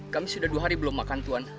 kami sudah dua hari belum makan tuhan